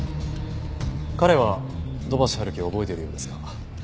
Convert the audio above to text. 彼は土橋春樹を覚えているようですが。